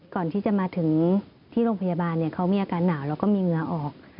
ก่อนที่จะมาถึงที่โรงพยาบาลเขามีอาการหนาวแล้วก็มีเหงื่อออก